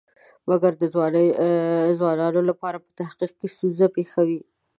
مګر د ځوانانو لپاره په تحقیق کې ستونزه پېښوي.